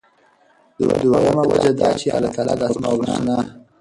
دویمه وجه دا چې الله تعالی د أسماء الحسنی،